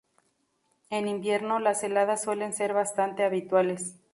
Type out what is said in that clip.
En invierno, las heladas suelen ser bastante habituales.